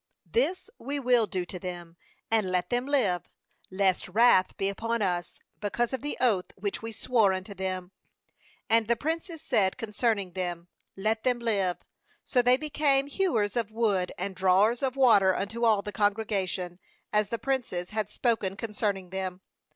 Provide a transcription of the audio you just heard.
2JThis we will do to them, and let them live; lest wrath be upon us, because of the oath which we swore unto them/ 21And the princes said concerning them : 'Let them live7; so they became hew ers of wood and drawers of water unto all the congregation, as the princes had spoken concerning them.